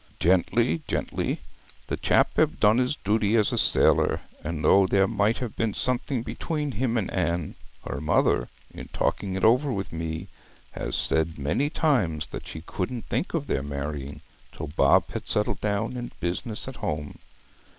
'Gently, gently. The chap hev done his duty as a sailor; and though there might have been something between him and Anne, her mother, in talking it over with me, has said many times that she couldn't think of their marrying till Bob had settled down in business with me.